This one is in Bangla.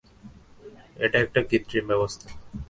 এটা একটা কৃত্রিম ব্যবস্থা।